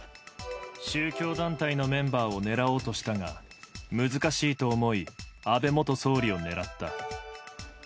宗教団体のメンバーを狙おうとしたが、難しいと思い、安倍元総理を狙った。